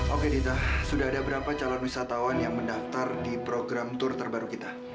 oke dita sudah ada berapa calon wisatawan yang mendaftar di program tur terbaru kita